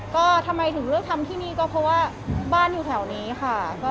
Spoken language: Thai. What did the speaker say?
ก็ทำไมถึงเลือกทำที่นี่ก็เพราะว่าบ้านอยู่แถวนี้ค่ะ